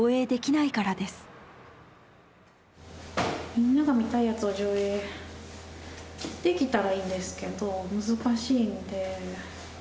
みんなが見たいやつを上映できたらいいんですけど難しいので。